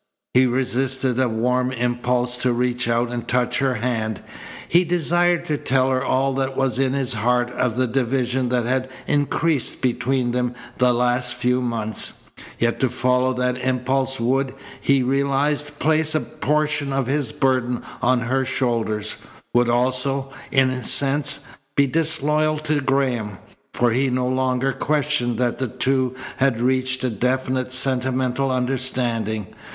He resisted a warm impulse to reach out and touch her hand. He desired to tell her all that was in his heart of the division that had increased between them the last few months. Yet to follow that impulse would, he realized, place a portion of his burden on her shoulders; would also, in a sense, be disloyal to Graham, for he no longer questioned that the two had reached a definite sentimental understanding.